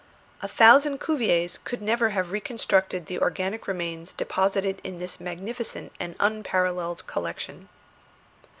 A thousand Cuviers could never have reconstructed the organic remains deposited in this magnificent and unparalleled collection.